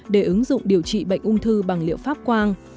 để ứng dụng điều trị bệnh ung thư bằng liệu pháp quang